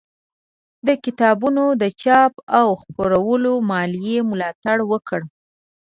د کتابونو د چاپ او خپرولو مالي ملاتړ وکړئ